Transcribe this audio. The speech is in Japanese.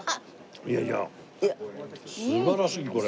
いやいや素晴らしいこれ。